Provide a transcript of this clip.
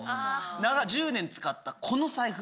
１０年使ったこの財布。